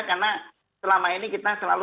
karena selama ini kita selalu